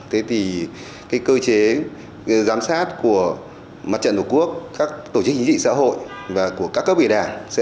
thế thì cơ chế giám sát của mặt trận tổ quốc các tổ chức chính trị xã hội và của các cấp vị đảng